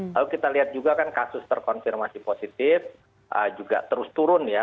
lalu kita lihat juga kan kasus terkonfirmasi positif juga terus turun ya